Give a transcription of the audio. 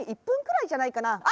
１ぷんくらいじゃないかな。